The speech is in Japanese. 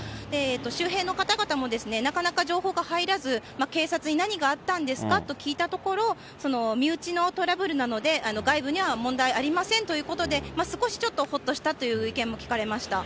周辺の方々も、なかなか情報が入らず、警察に何があったんですかと聞いたところ、身内のトラブルなので、外部には問題ありませんということで、少しちょっとほっとしたという意見も聞かれました。